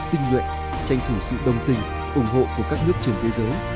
tinh nguyện tranh thủ sự đồng tình ủng hộ của các nước trên thế giới